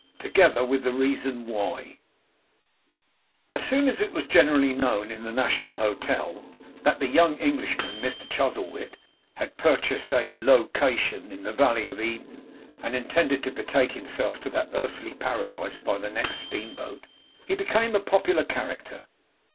TOGETHER WITH THE REASON WHY As soon as it was generally known in the National Hotel, that the young Englishman, Mr Chuzzlewit, had purchased a 'lo cation' in the Valley of Eden, and intended to betake himself to that earthly Paradise by the next steamboat, he became a popular character.